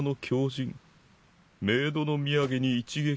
冥土の土産に一撃